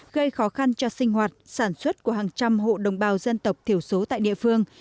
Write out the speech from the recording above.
gây khó khăn cho sinh hoạt sản xuất của hàng trăm hộ đồng bào dân tộc thiểu số tại địa phương